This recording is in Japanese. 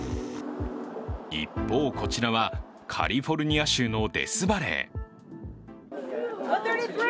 一方、こちらはカリフォルニア州のデスバレー。